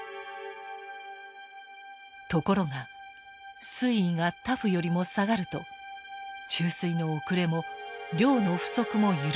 ところが水位がＴＡＦよりも下がると注水の遅れも量の不足も許されない。